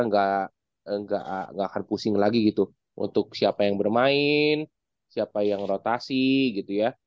nggak harus pusing lagi gitu untuk siapa yang bermain siapa yang rotasi gitu ya